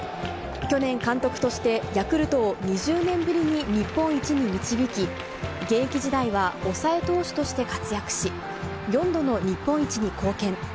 去年監督としてヤクルトを２０年ぶりに日本一に導き、現役時代は抑え投手として活躍し、４度の日本一に貢献。